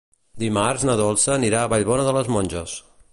Dimarts na Dolça anirà a Vallbona de les Monges.